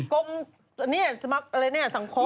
ต้องไปแกล้งกรมสังคม